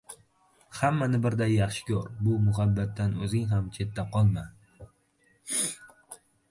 Hammani birday yaxshi koʻr, bu muhabbatdan oʻzing ham chetda qolma.